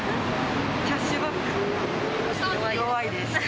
キャッシュバックとか弱いです。